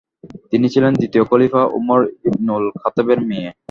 তিনি ছিলেন দ্বিতীয় খলিফা উমর ইবনুল খাত্তাবের মেয়ে।